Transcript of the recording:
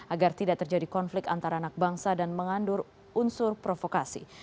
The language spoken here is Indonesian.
agar tidak terjadi konflik antara anak bangsa dan mengandur unsur provokasi